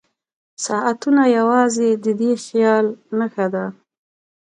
ساعتونه یوازې د دې خیال نښه ده.